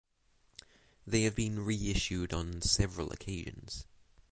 They have been reissued on several occasions.